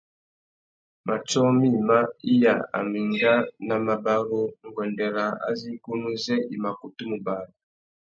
Matiō mïma iya a mà enga nà mabarú nguêndê râā azê igunú zê i mà kutu mù bari.